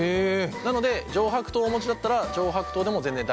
なので上白糖をお持ちだったら上白糖でも全然大丈夫です。